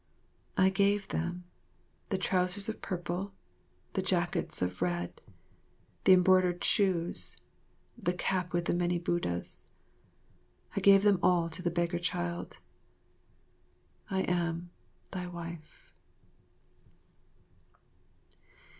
I gave them, the trousers of purple, the jackets of red, the embroidered shoes, the caps with the many Buddhas. I gave them all to the begger child. I am, Thy Wife.